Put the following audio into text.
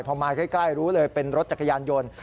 พอมาใกล้รู้เลยเป็นรถจักรยานยนต์